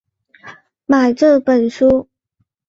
买这本书